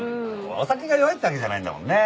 お酒が弱いってわけじゃないんだもんね。